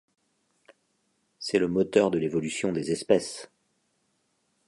C'est le moteur de l'évolution des espèces.